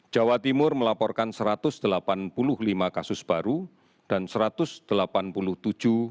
jawa timur melaporkan satu ratus delapan puluh lima kasus baru dan satu ratus delapan puluh tujuh kasus